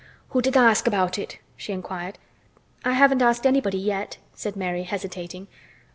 "Who did tha' ask about it?" she inquired. "I haven't asked anybody yet," said Mary, hesitating.